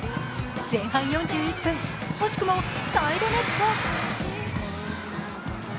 前半４１分、惜しくもサイドネット。